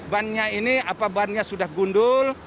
bannya ini apa bannya sudah gundul